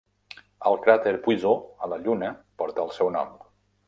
El cràter Puiseux a la Lluna porta el seu nom.